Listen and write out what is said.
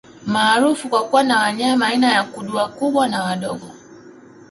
Maarufu kwa kuwa na wanyama aina ya Kudu wakubwa na wadogo